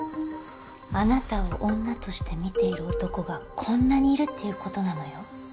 あなたを女として見ている男がこんなにいるっていう事なのよ。